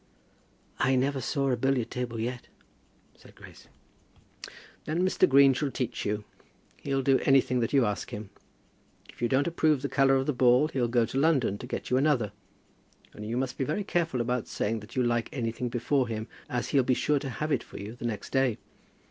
"I never saw a billiard table yet," said Grace. "Then Mr. Green shall teach you. He'll do anything that you ask him. If you don't approve the colour of the ball, he'll go to London to get you another one. Only you must be very careful about saying that you like anything before him, as he'll be sure to have it for you the next day.